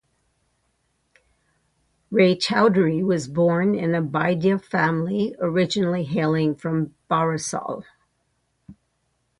Raychaudhuri was born in a Baidya family, originally hailing from Barisal.